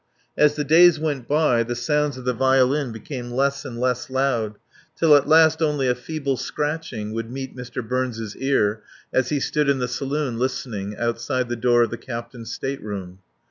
As the days went by the sounds of the violin became less and less loud, till at last only a feeble scratching would meet Mr. Burns' ear as he stood in the saloon listening outside the door of the captain's state room.